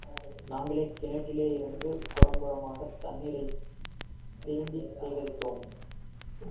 நாங்களே கிணற்றிலே இருந்து குடங்குடமாகத் தண்ணீரைச் சேந்திச் சேகரித்தோம்.